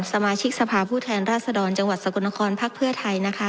สมาชิกสภาพผู้แทนราชดรจังหวัดสกลนครพักเพื่อไทยนะคะ